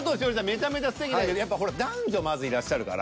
めちゃめちゃすてきだけどやっぱほら男女まずいらっしゃるから。